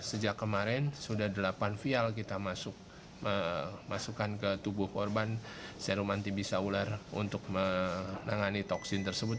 sejak kemarin sudah delapan vial kita masukkan ke tubuh korban serum anti bisa ular untuk menangani toksin tersebut